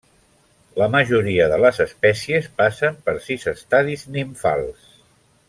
La majoria de les espècies passen per sis estadis nimfals.